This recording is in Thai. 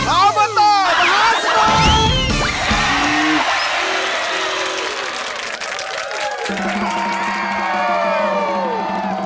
อบอนเตอร์มหาสนุก